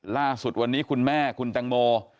ล่าสุดคุณแม่คุณต่างโม